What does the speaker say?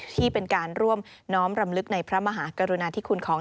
ที่เป็นการร่วมน้อมรำลึกในพระมหากรุณาธิคุณของ